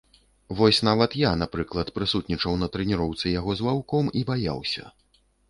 Вось нават я, напрыклад, прысутнічаў на трэніроўцы яго з ваўком і баяўся.